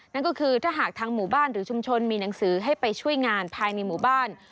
นั่นก็คือถ้าหากทางหมู่บ้านหรือชุมชนมีหนังสือให้ไปช่วยงานภายในหมู่บ้าน